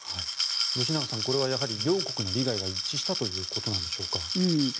吉永さん、これはやはり両国の利害が一致したということでしょうか。